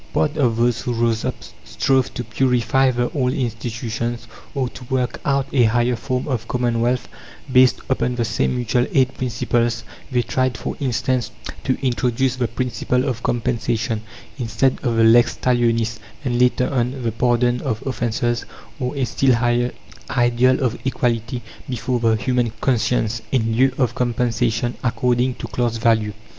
Part of those who rose up strove to purify the old institutions, or to work out a higher form of commonwealth, based upon the same Mutual Aid principles; they tried, for instance, to introduce the principle of "compensation," instead of the lex talionis, and later on, the pardon of offences, or a still higher ideal of equality before the human conscience, in lieu of "compensation," according to class value.